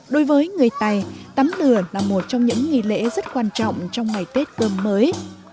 đối với người tày tắm lửa là một trong những nghi lễ rất quan trọng trong ngày tết cơm mới